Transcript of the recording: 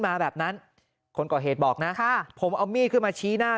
มาแบบนั้นคนก่อเหตุบอกนะค่ะผมเอามีดขึ้นมาชี้หน้า